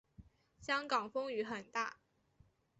香港风雨很大